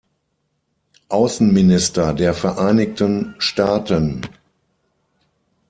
Außenminister der Vereinigten Staaten.